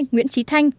nguyễn trí thanh